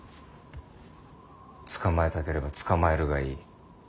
捕まえたければ捕まえるがいい。